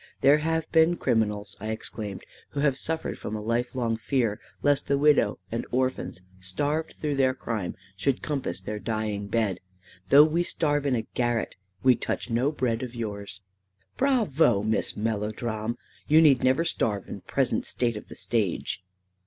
"There have been criminals," I exclaimed, "who have suffered from a life long fear, lest the widow and orphans, starved through their crime, should compass their dying bed. Though we starve in a garret, we touch no bread of yours." "Bravo, Miss Melodrame. You need never starve in the present state of the stage."